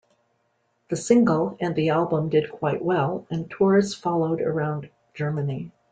The single and the album did quite well, and tours followed around Germany.